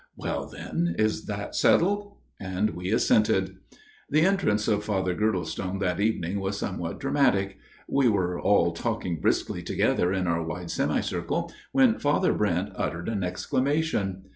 " Well, then ; is that settled ?" We assented. The entrance of Father Girdlestone that evening was somewhat dramatic. We were all talking briskly together in our wide semicircle, when 91 92 A MIRROR OF SHALOTT Father Brent uttered an exclamation.